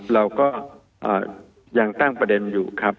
เราก็ยังตั้งประเด็นอยู่ครับ